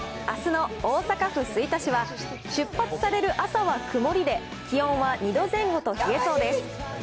あすの大阪府吹田市は、出発される朝は曇りで、気温は２度前後と冷えそうです。